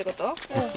うん。